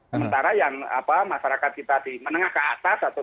sementara yang masyarakat kita di menengah ke atas